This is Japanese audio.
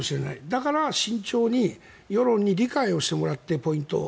だから慎重に世論に理解をしてもらってポイントを。